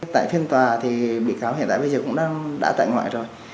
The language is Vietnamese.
tại phiên tòa thì bị cáo hiện tại bây giờ cũng đang đã tại ngoại rồi